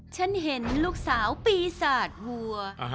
ฉันเห็นลูกสาวปีศาจวัว